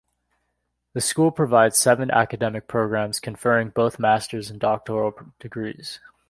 The school provides seven academic programs conferring both masters and doctoral degrees.